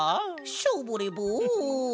ショボレボン。